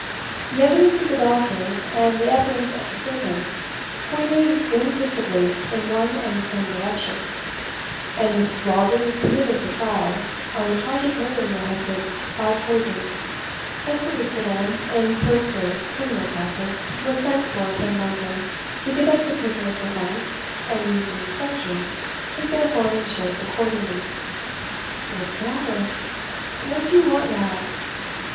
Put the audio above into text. The evidence of the doctors and the evidence of the servants pointed irresistibly in one and the same direction; and Mrs. Waldron was committed for trial, on the charge of murdering her husband by poison. A solicitor in first rate criminal practice was sent for from London to get up the prisoner's defense, and these 'Instructions' took their form and shape accordingly. What's the matter? What do you want now?"